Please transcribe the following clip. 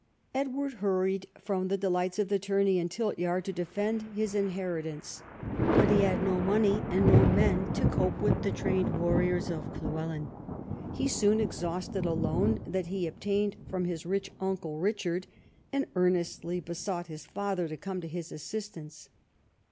Edward hurried from the delights of the tourney and tiltyard to defend his inheritance. But he had no money and no men to cope with the trained warriors of Llywelyn. He soon exhausted a loan that he obtained from his rich uncle Eichard, and earnestly besought his father to come to his assistance.